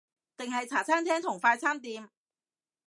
定係茶餐廳同快餐店？